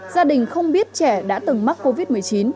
gia đình không biết trẻ đã từng mắc covid một mươi chín